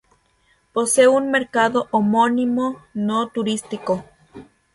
Posee un mercado homónimo no turístico.